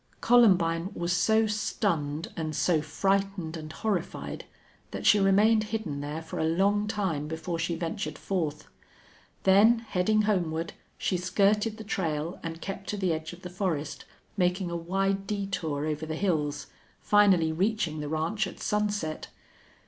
Columbine was so stunned, and so frightened and horrified, that she remained hidden there for a long time before she ventured forth. Then, heading homeward, she skirted the trail and kept to the edge of the forest, making a wide detour over the hills, finally reaching the ranch at sunset.